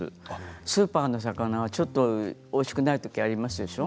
スーパーの魚はちょっとおいしくないときがありますでしょう。